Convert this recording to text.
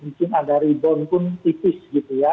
mungkin ada rebound pun tipis gitu ya